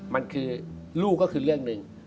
มันคือลูกก็คือเรื่องหนึ่ง